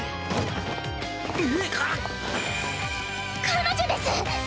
彼女です！